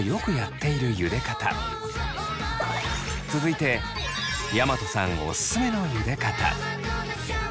続いて大和さんおすすめのゆで方。